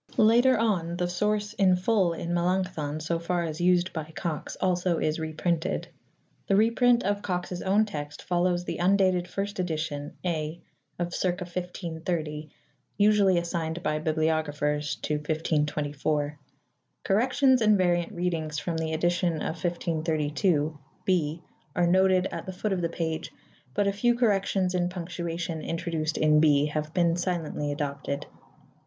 Later on the source in full in Melanchthon, so far as used by Cox, also is reprinted. The reprint of Cox's own text follows the undated first edition (A) of circa 1530, usually assigned by bibliographers to 1524. Corrections and variant readings from the edition of 1532 (B) are noted at the foot of the page ; but a few corrections in punctuation introduced in B have been silently adopted.